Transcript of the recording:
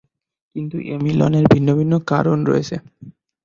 কিন্তু এ মিলনের ভিন্ন ভিন্ন কারণ রয়েছে।